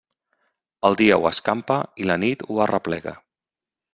El dia ho escampa i la nit ho arreplega.